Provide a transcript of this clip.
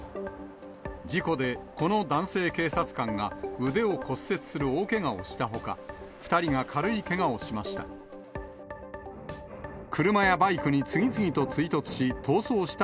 事故でこの男性警察官が、腕を骨折する大けがをしたほか、２人が軽いけがをしました。